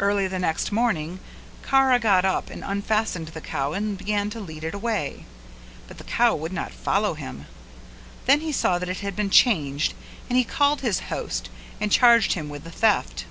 Early the next morning Kara got up and unfastened the cow and began to lead it away, but the cow would not follow him; then he saw that it had been changed and he called his host and charged him with the theft.